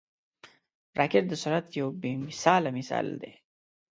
راکټ د سرعت یو بې مثاله مثال دی